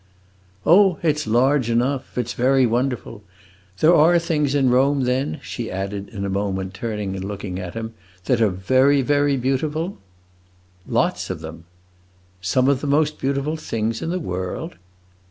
"Oh, it's large enough; it's very wonderful. There are things in Rome, then," she added in a moment, turning and looking at him, "that are very, very beautiful?" "Lots of them." "Some of the most beautiful things in the world?"